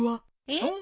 えっ？